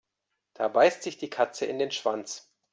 Da beißt sich die Katze in den Schwanz.